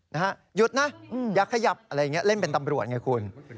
หยุดนะอย่าขยับอะไรอย่างนี้เล่นเป็นตำรวจไงคุณ